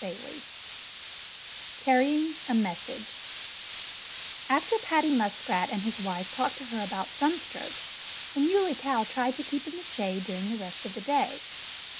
XV CARRYING A MESSAGE After Paddy Muskrat and his wife talked to her about sunstrokes, the Muley Cow tried to keep in the shade during the rest of the day.